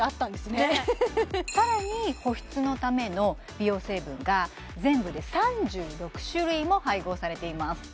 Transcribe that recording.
ねっさらに保湿のための美容成分が全部で３６種類も配合されています